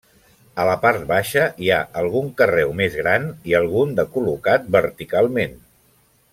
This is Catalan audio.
A la part baixa hi ha algun carreu més gran i algun de col·locat verticalment.